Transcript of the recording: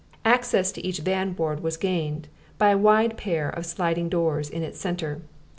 Access to each van ward was gained by a wide pair of sliding doors in its centre.